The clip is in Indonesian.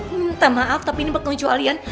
minta maaf tapi ini bukan kecualian